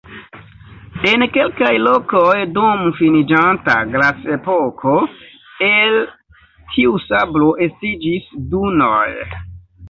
En kelkaj lokoj dum finiĝanta glaciepoko el tiu sablo estiĝis dunoj.